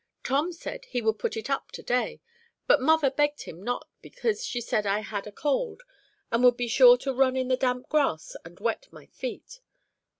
"Tom said he would put it up to day, but mother begged him not, because she said I had a cold and would be sure to run in the damp grass and wet my feet.